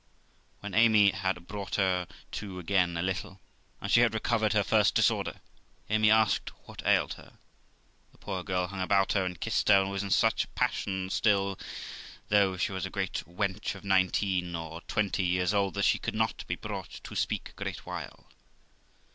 When Amy had brought her to again a little, and she had recovered her first disorder, Amy asked what ailed her? the poor girl hung about her, and kissed her, and was in such a passion still, though she was a great wench of nineteen or twenty years old, that she could not be brought to speak a great while.